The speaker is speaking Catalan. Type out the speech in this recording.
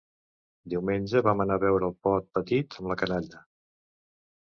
Diumenge vam anar a ver el Pot Petit amb la canalla